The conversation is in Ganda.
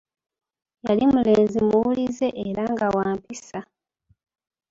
Yali mulenzi muwulize era nga wa mpisa.